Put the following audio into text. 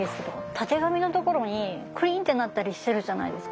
たてがみのところにクリンってなったりしてるじゃないですか。